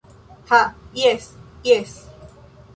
Ha jes... jes...